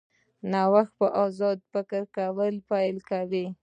نوښتګر په ازاد فکر کولو پیل کوي.